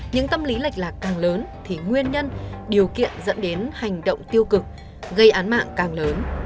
những tâm lý lệch lạc càng lớn thì nguyên nhân điều kiện dẫn đến hành động tiêu cực gây án mạng càng lớn